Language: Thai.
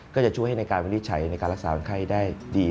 ก็จะช่วยให้ในการที่ใช้ในการรักษาวันไข้ได้ดี